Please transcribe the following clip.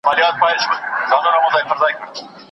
د جرم ديت بايد په منقول يا غير منقول مال وي.